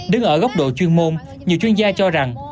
đứng ở góc độ chuyên môn nhiều chuyên gia cho rằng